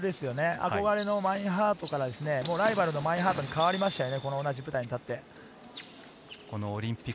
憧れのマインハートからライバルのマインハートにかわりましたね。